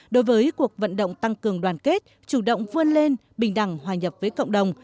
đối với cuộc vận động tăng cường đoàn kết chủ động vươn lên bình đẳng hòa nhập với cộng đồng